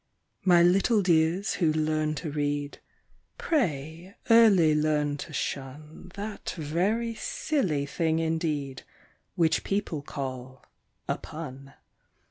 My little dears who learn to read, pray early learn to shun That very silly thing indeed, which people call a pun.